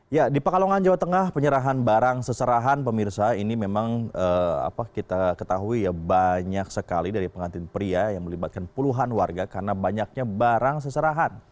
ya di pekalongan jawa tengah penyerahan barang seserahan pemirsa ini memang kita ketahui ya banyak sekali dari pengantin pria yang melibatkan puluhan warga karena banyaknya barang seserahan